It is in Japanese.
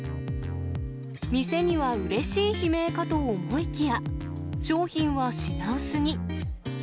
店にはうれしい悲鳴かと思いきや、商品は品薄に。